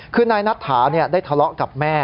คือนายนัทถาได้ทะเลาะกับแม่